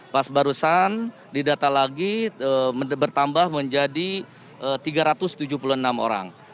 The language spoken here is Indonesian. pas barusan didata lagi bertambah menjadi tiga ratus tujuh puluh enam orang